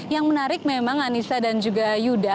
yang menarik memang anissa dan juga yuda